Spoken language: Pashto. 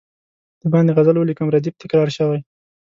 د باندي غزل ولیکم ردیف تکرار شوی.